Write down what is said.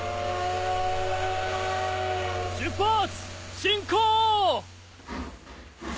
出発進行！